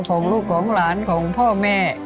ของลูกของหลานของพ่อแม่